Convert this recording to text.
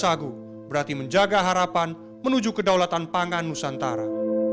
sagu berarti menjaga harapan menuju kedaulatan pangan nusantara